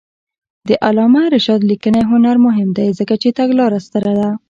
د علامه رشاد لیکنی هنر مهم دی ځکه چې تګلاره ستره ده.